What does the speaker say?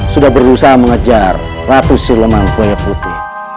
sudah berusaha mengejar ratu sileman koyaputi